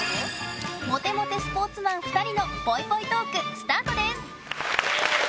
モテモテスポーツマン２人のぽいぽいトーク、スタートです！